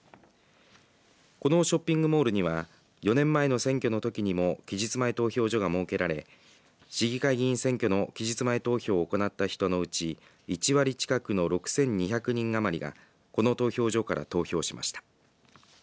このショッピングモールには４年前の選挙のときにも期日前投票所が設けられ市議会議員選挙の期日前投票を行った人のうち１割近くの６２００人余りがこの投票所から投票しました。